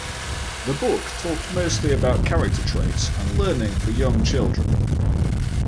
The book talked mostly about character traits and learning for young children.